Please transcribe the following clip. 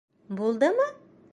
Булдымы?